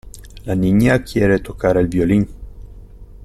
La niña quiere tocar el violín.